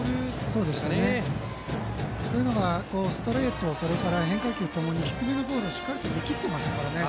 そうですね。というのはストレート、変化球ともに低めのボールをしっかり見切っていましたからね。